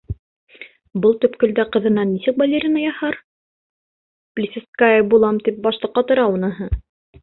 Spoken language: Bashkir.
Был төпкөлдә ҡыҙынан нисек балерина яһар, Плисецкая булам, тип башты ҡатыра уныһы.